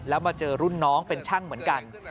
แล้วมาเจอรุ่นน้องเป็นช่างเหมือนกัน